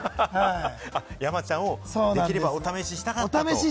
山ちゃんをできればお試ししたかったと。